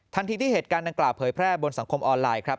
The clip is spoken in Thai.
ทันทีที่เหตุการณ์ดังกล่าวเผยแพร่บนสังคมออนไลน์ครับ